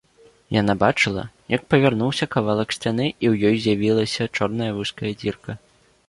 Яна бачыла, як павярнуўся кавалак сцяны і ў ёй з'явілася чорная вузкая дзірка.